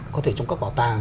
có thể trong các bảo tàng